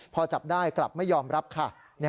พอจับได้กลับไม่ยอมรับค่ะ